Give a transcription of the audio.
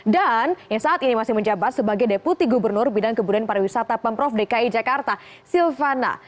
dan yang saat ini masih menjabat sebagai deputi gubernur bidang kebudayaan pariwisata pemprov dki jakarta silvana